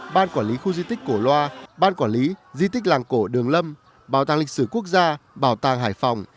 ban quản lý khu di tích cổ loa ban quản lý di tích làng cổ đường lâm bảo tàng lịch sử quốc gia bảo tàng hải phòng